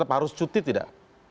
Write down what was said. harus cuti tidak